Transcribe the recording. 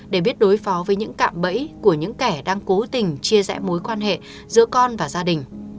để biết đối phó với những cạm bẫy của những kẻ đang cố tình chia rẽ mối quan hệ giữa con và gia đình